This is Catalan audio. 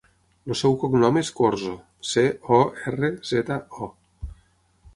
El seu cognom és Corzo: ce, o, erra, zeta, o.